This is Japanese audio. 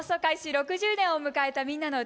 ６０年を迎えた「みんなのうた」。